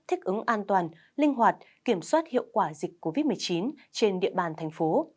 thích ứng an toàn linh hoạt kiểm soát hiệu quả dịch covid một mươi chín trên địa bàn thành phố